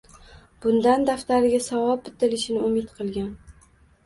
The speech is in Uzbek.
bundan daftariga savob bitilishini umid qilgan